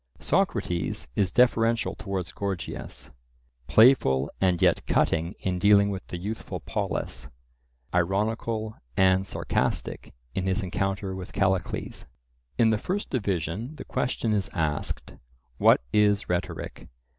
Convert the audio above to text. Socrates is deferential towards Gorgias, playful and yet cutting in dealing with the youthful Polus, ironical and sarcastic in his encounter with Callicles. In the first division the question is asked—What is rhetoric?